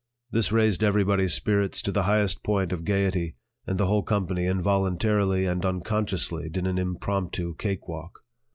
This raised everybody's spirits to the highest point of gaiety, and the whole company involuntarily and unconsciously did an impromptu cake walk.